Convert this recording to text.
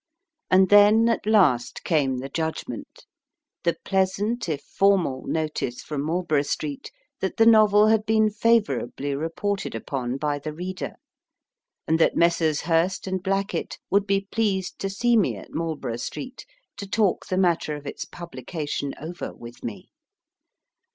And then at last came the judgment the pleasant, if formal, notice from Marlborough Street that the novel had been favourably re ported upon by the reader, and that Messrs. Hurst & Blackett would be pleased to see me at Marlborough Street to talk the matter of its publication over with me.